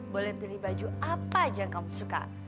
boleh pilih baju apa yang kamu suka